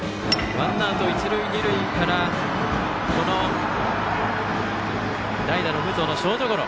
ワンアウト、一塁二塁から代打の武藤のショートゴロ。